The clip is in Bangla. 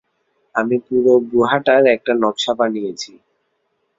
আমি পুরো গুহাটার একটা নকশা বানিয়েছি।